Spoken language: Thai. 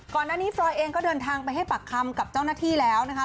ก่อนหน้านี้ฟรอยเองก็เดินทางไปให้ปากคำกับเจ้าหน้าที่แล้วนะคะ